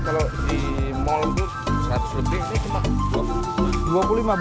kalau di mall tuh rp seratus ini cuma rp dua puluh lima